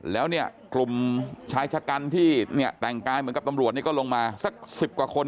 แล้วเนี่ยกลุ่มชายชะกันที่เนี่ยแต่งกายเหมือนกับตำรวจนี่ก็ลงมาสัก๑๐กว่าคน